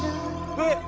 えっ？